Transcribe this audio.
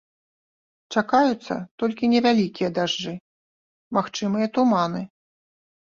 Чакаюцца толькі невялікія дажджы, магчымыя туманы.